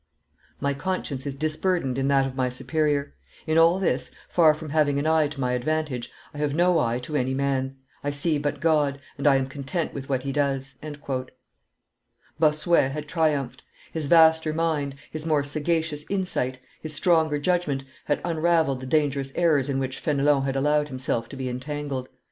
My conscience is disburdened in that of my superior. In all this, far from having an eye to my advantage, I have no eye to any man; I see but God, and I am content with what He does." Bossuet had triumphed: his vaster mind, his more sagacious insight, his stronger judgment had unravelled the dangerous errors in which Fenelon had allowed himself to be entangled.